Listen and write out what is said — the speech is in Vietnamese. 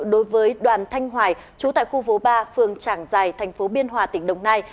đối với đoàn thanh hoài trú tại khu phố ba phường tràng giày thành phố biên hòa tỉnh đồng nai